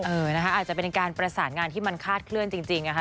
นะคะอาจจะเป็นการประสานงานที่มันคาดเคลื่อนจริงนะคะ